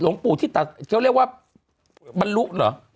ปู่ที่ตัดเขาเรียกว่าบรรลุเหรอ